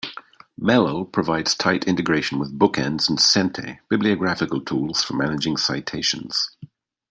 Mellel provides tight integration with Bookends and Sente, bibliographical tools for managing citations.